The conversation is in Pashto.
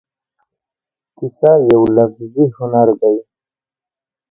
کیسه یو لفظي هنر دی.